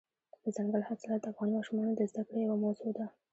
دځنګل حاصلات د افغان ماشومانو د زده کړې یوه موضوع ده.